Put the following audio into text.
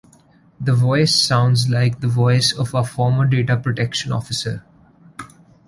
The voice sounds like the voice of our former data protection officer.